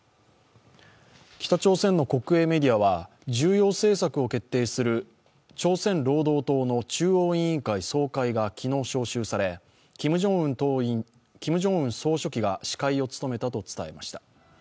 北朝鮮の国営メディアは重要政策を決定する朝鮮労働党の中央委員会総会が昨日、招集され、キム・ジョンウン総書記が司会を務めたと伝えました。